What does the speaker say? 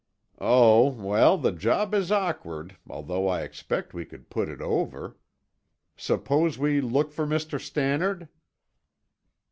"Oh, well, the job is awkward, although I expect we could put it over. Suppose we look for Mr. Stannard?"